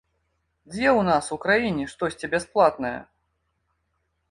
Дзе ў нас у краіне штосьці бясплатнае?